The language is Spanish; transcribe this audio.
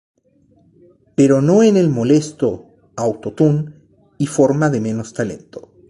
Pero no en el molesto, auto-tune, y forma de menos talento.